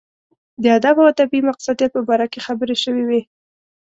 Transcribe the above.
د ادب او ادبي مقصدیت په باره کې خبرې شوې وې.